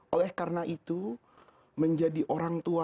oleh karena itu menjadi orang tua